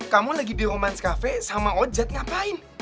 kamu lagi di romance cafe sama ojad ngapain